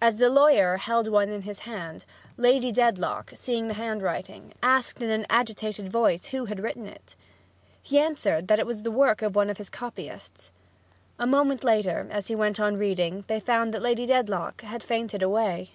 As the lawyer held one in his hand, Lady Dedlock, seeing the handwriting, asked in an agitated voice who had written it. He answered that it was the work of one of his copyists. A moment later, as he went on reading, they found that Lady Dedlock had fainted away.